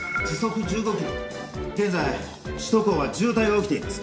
現在首都高は渋滞が起きています。